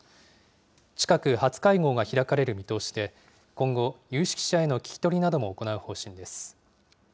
近く初会合が開かれる見通しで、今後、有識者への聞き取りなども行う方針です。